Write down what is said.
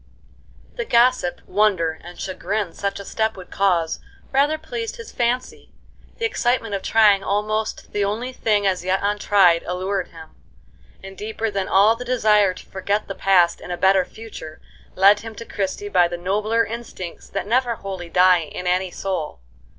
The gossip, wonder, and chagrin such a step would cause rather pleased his fancy; the excitement of trying almost the only thing as yet untried allured him; and deeper than all the desire to forget the past in a better future led him to Christie by the nobler instincts that never wholly die in any soul.